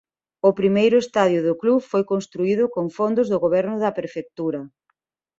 O primeiro estadio do club foi construído con fondos do goberno da prefectura.